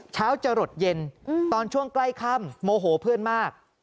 เช้าจะหลดเย็นตอนช่วงใกล้ค่ำโมโหเพื่อนมาก